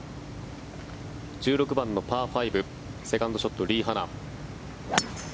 １６番のパー５セカンドショット、リ・ハナ。